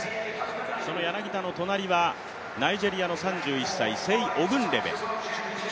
その柳田の隣はナイジェリアの３１歳セイ・オグンレベ。